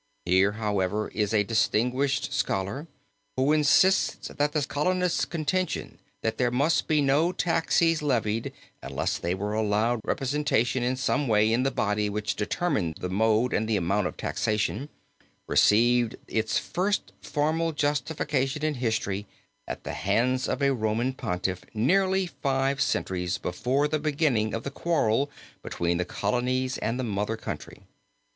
Here, however, is a distinguished scholar, who insists that the Colonists' contention that there must be no taxes levied unless they were allowed representation in some way in the body which determined the mode and the amount of taxation, received its first formal justification in history at the hands of a Roman Pontiff, nearly five centuries before the beginning of the quarrel between the Colonies and the Mother Country.